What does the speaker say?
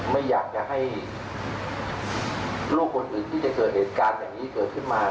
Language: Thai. ไม่อยากจะให้ลูกคนอื่นที่จะเกิดเหตุการณ์อย่างนี้เกิดขึ้นมา